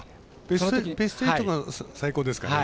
ベスト８が最高ですか。